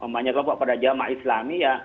banyak kelompok pada jamaah islami ya